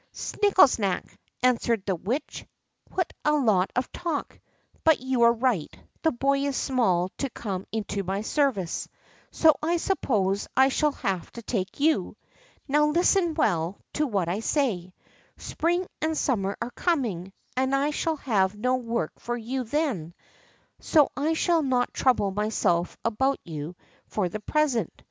" Snikkesnak !" answered the Witch ;" what a lot of talk ! But you are right ; the boy is small to come into my service, so I suppose I shall have to take you. Now, listen well to what I say. Spring and sum mer are coming, and I shall have no work for you then ; so I shall not trouble myself about you for the present.